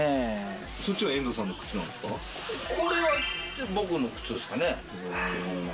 これは僕の靴ですかね。